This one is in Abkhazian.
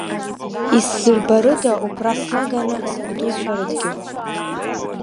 Исзырбарыда убра снаганы, сабдуцәа рыдгьыл?